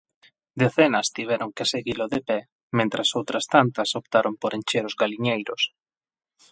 Decenas tiveron que seguilo de pé mentres outras tantas optaron por encher os galiñeiros.